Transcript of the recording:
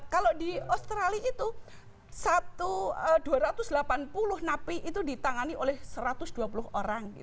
kalau di australia itu dua ratus delapan puluh napi itu ditangani oleh satu ratus dua puluh orang